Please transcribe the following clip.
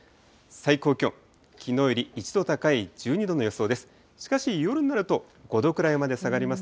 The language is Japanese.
最高気温、きのうより１度高い１２度の予想です。